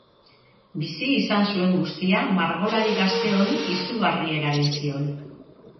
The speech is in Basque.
Bizi izan zuen guztia margolari gazte honi izugarri eragin zion.